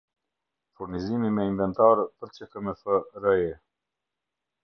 Furnizimi me inventarë për qkmf-re